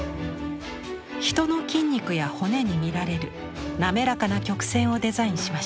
人の筋肉や骨に見られる滑らかな曲線をデザインしました。